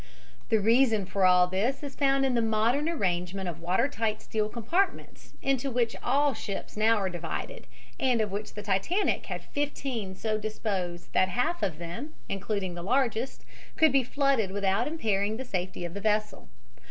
The reason for all this is found in the modern arrangement of water tight steel compartments into which all ships now are divided and of which the Titanic had fifteen so disposed that half of them, including the largest, could be flooded without impairing the safety of the vessel.